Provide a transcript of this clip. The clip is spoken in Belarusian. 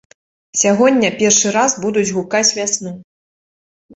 Сягоння першы раз будуць гукаць вясну.